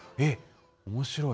おもしろい。